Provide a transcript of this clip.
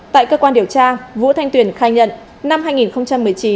tại cơ quan điều tra vũ thanh tuyền khai nhận năm hai nghìn một mươi chín